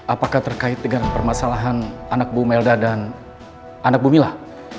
apakah terkait dengan permasalahan anak bu melda dan anak bumilah